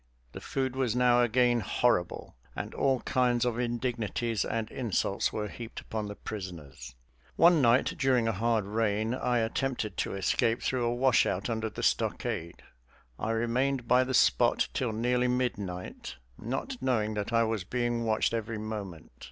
The food was now again horrible, and all kinds of indignities and insults were heaped upon the prisoners. One night during a hard rain I attempted to escape through a washout under the stockade. I remained by the spot till nearly midnight, not knowing that I was being watched every moment.